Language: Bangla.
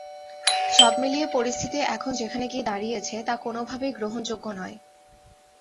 সব মিলিয়ে পরিস্থিতি এখন যেখানে গিয়ে দাঁড়িয়েছে, তা কোনোভাবেই গ্রহণযোগ্য নয়।